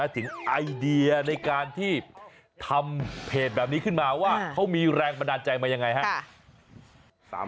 ถึงไอเดียในการที่ทำเพจแบบนี้ขึ้นมาว่าเขามีแรงบันดาลใจมายังไงครับ